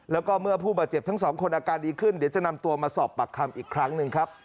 แล้วก็เมื่อผู้บาดเจ็บทั้งสองคนอาการดีขึ้นเดี๋ยวจะนำตัวมาสอบปากคำอีกครั้งหนึ่งครับ